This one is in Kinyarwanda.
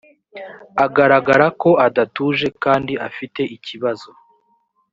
agaragarako adatuje kandi afite ikibazo